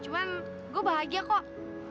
cuman gue bahagia kok